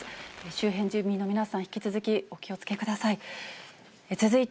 周辺住民の皆さん、引き続きお気をつけください。